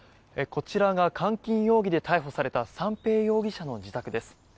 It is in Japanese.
こちらが監禁容疑で逮捕された三瓶容疑者の自宅です。